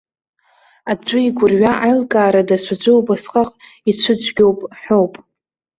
Аӡәы игәырҩа аилкаара даҽаӡәы убасҟак ицәыцәгьоуп ҳәоуп.